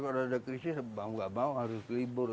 kalau ada krisis mau gak mau harus libur